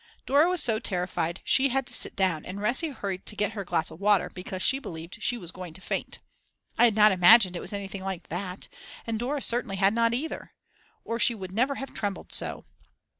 Dora was so terrified she had to sit down and Resi hurried to get her a glass of water, because she believed she was going to faint. I had not imagined it was anything like that, and Dora certainly had not either. Or she would never have trembled so.